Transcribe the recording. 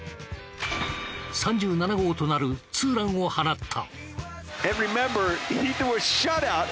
３７号となるツーランを放った。